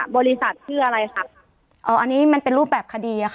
บริษัทชื่ออะไรค่ะอ๋ออันนี้มันเป็นรูปแบบคดีอะค่ะ